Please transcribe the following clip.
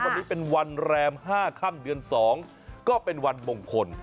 วันนี้เป็นวันแรม๕ค่ำเดือน๒ก็เป็นวันมงคล